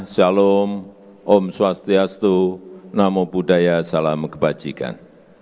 shalom om swastiastu namo buddhaya salam kebajikan